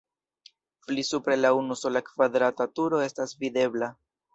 Pli supre la unusola kvadrata turo estas videbla.